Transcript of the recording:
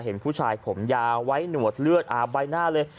เห็นผู้ชายผมยาวไว้หนวดเลือดอาบใบหน้าเลย